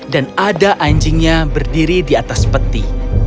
dan ada anjingnya berdiri di atas peti